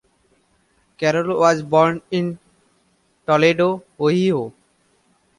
Carroll was born in Toledo, Ohio.